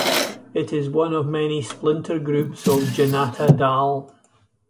It is one of many splinter-groups of Janata Dal.